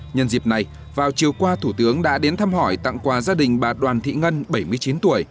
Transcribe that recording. nhân dịp này vào chiều qua thủ tướng đã đến thăm hỏi tặng quà gia đình bà đoàn thị ngân bảy mươi chín tuổi